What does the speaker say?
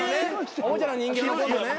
おもちゃの人形のコントね。